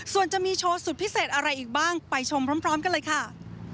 ส่วนจะมีโชว์สุดพิเศษอะไรอีกบ้างไปชมพร้อมกันเลยค่ะ